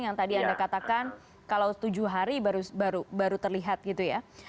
yang tadi anda katakan kalau tujuh hari baru terlihat gitu ya